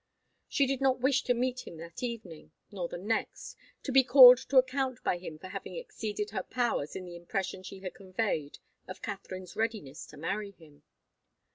She did not wish to meet him that evening, nor the next, to be called to account by him for having exceeded her powers in the impression she had conveyed of Katharine's readiness to marry him.